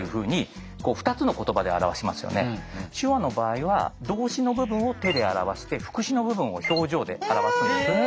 手話の場合は動詞の部分を手で表して副詞の部分を表情で表すんですね。